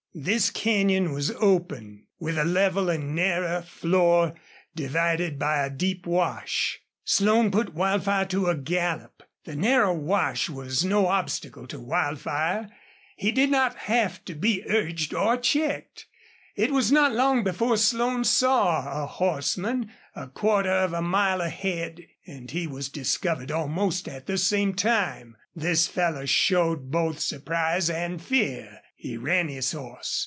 This canyon was open, with a level and narrow floor divided by a deep wash. Slone put Wildfire to a gallop. The narrow wash was no obstacle to Wildfire; he did not have to be urged or checked. It was not long before Slone saw a horseman a quarter of a mile ahead, and he was discovered almost at the same time. This fellow showed both surprise and fear. He ran his horse.